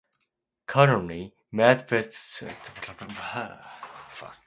Currently Medvedchuk is chairman of the pro-Russian political organization "Ukrainian Choice".